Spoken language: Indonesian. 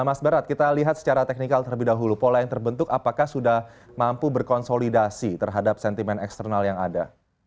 mas berat kita lihat secara teknikal terlebih dahulu pola yang terbentuk apakah sudah mampu berkonsolidasi terhadap sentimen eksternal yang ada